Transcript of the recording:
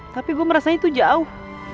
tapi gue merasanya tuh jauh